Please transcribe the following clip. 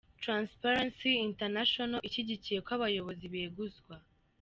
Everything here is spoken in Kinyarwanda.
Transparency International ishyigikiye ko abayobozi beguzwa.